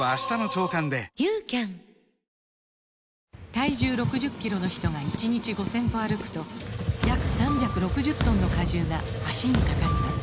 体重６０キロの人が１日５０００歩歩くと約３６０トンの荷重が脚にかかります